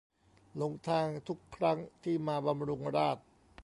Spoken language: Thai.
หลงทางทุกครั้งที่มาบำรุงราษฎร์